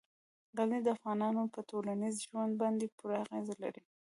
غزني د افغانانو په ټولنیز ژوند باندې پوره اغېز لري.